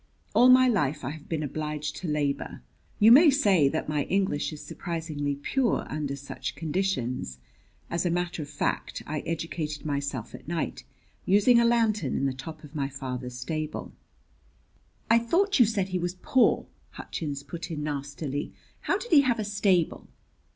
All my life I have been obliged to labor. You may say that my English is surprisingly pure, under such conditions. As a matter of fact, I educated myself at night, using a lantern in the top of my father's stable." "I thought you said he was poor," Hutchins put in nastily. "How did he have a stable?"